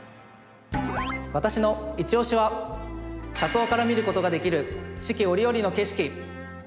私のいちオシは車窓から見ることができる四季折々の景色。